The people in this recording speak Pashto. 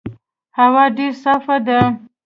هوا ډېر صافه ده.